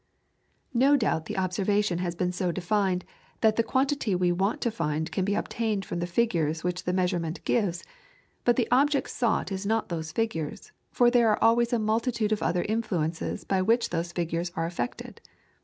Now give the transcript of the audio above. No doubt the observation has been so designed that the quantity we want to find can be obtained from the figures which the measurement gives, but the object sought is not those figures, for there are always a multitude of other influences by which those figures are affected.